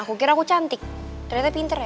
aku kira aku cantik ternyata pinter ya